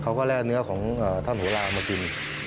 เขาก็และเนื้อของท่านหลามากิน